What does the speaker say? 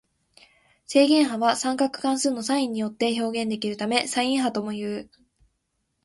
正弦波は三角関数のサインによって表現できるためサイン波ともいう。